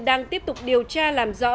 đang tiếp tục điều tra làm rõ